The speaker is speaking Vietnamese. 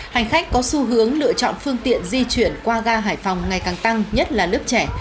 hành khách có xu hướng lựa chọn phương tiện di chuyển qua gà hải phòng ngày càng tăng nhất là lớp trẻ